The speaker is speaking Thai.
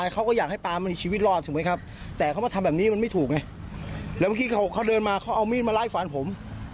เขาเอามีดมาไลฟ์ฝันผม